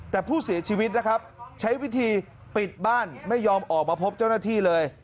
แต่ผู้เสียชีวิตนะครับใช้วิธีปิดบ้านไม่ยอมออกมาพบเจ้าหน้าที่เลย